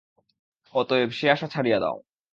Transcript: অতএব সে আশা ছাড়িয়া দাও।